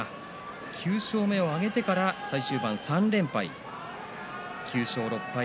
９勝目を挙げてから最終盤３連敗でした。